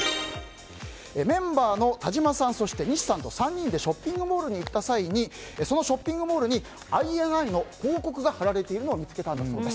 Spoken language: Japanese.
メンバーの田島さんそして西さんと３人でショッピングモールに行った際にそのショッピングモールにＩＮＩの広告が貼られているのを見つけたんだそうです。